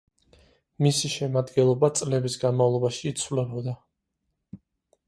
მისი შემადგენლობა წლების განმავლობაში იცვლებოდა.